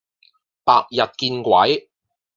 白日見鬼